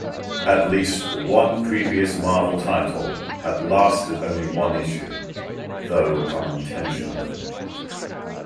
At least one previous Marvel title had lasted only one issue, though unintentionally.